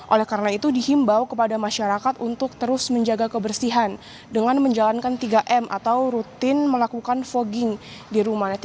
oleh karena itu dihimbau kepada masyarakat untuk terus menjaga kebersihan dengan menjalankan tiga m atau rutin melakukan fogging di rumah